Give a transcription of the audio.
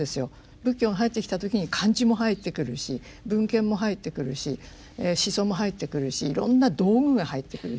仏教が入った時に漢字も入ってくるし文献も入ってくるし思想も入ってくるしいろんな道具が入ってくるし。